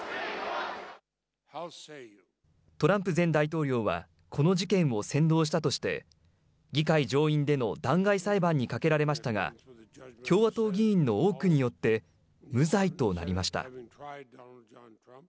トランプ前大統領はこの事件を扇動したとして議会上院での弾劾裁判にかけられましたが、共和党議員の多くによって無罪となりました。